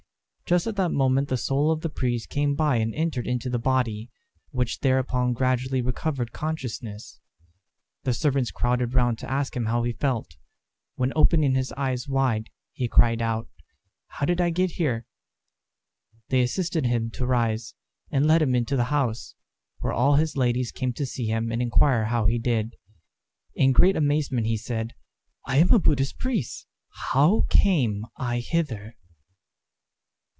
Just at that moment the soul of the priest came by and entered into the body, which thereupon gradually recovered consciousness. The servants crowded round to ask him how he felt, when opening his eyes wide, he cried out, "How did I get here?" They assisted him to rise, and led him into the house, where all his ladies came to see him and inquire how he did. In great amazement he said, "I am a Buddhist priest. How came I hither?"